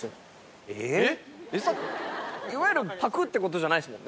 いわゆるパクってことじゃないですもんね？